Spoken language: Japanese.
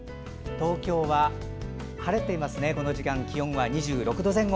東京は晴れていますね、この時間気温は２６度前後。